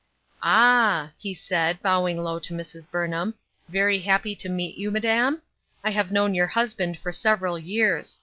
'^A.h !" he said, bowing low to Mrs. Burnham, " very happy to meet you, madam ? I have known your husband for several years.